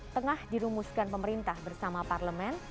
tengah dirumuskan pemerintah bersama parlemen